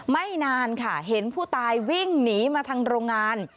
ไม่นานค่ะเห็นผู้ตายวิ่งหนีมาทางโรงงาน